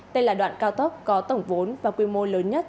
đây là đoạn cao tốc có tổng vốn và quy mô lớn nhất